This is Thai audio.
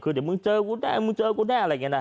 คือเดี๋ยวมึงเจอกูแน่อะไรอย่างนี้นะครับ